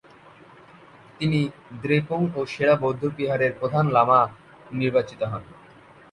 তিনি দ্রেপুং ও সেরা বৌদ্ধবিহারের প্রধান লামা নির্বাচিত হন।